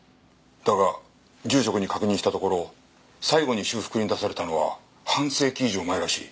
だが住職に確認したところ最後に修復に出されたのは半世紀以上前らしい。